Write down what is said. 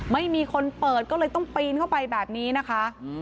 ไม่มีคนเปิดก็เลยต้องปีนเข้าไปแบบนี้นะคะ